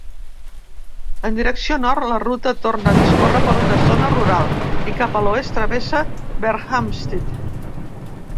En direcció nord, la ruta torna a discórrer per una zona rural i cap a l'oest travessa Berkhamsted.